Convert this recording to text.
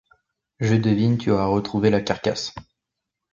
Je devine, tu auras retrouvé la carcasse.